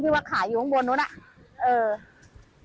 ว่าขายอยู่ข้างบนนู้นอะ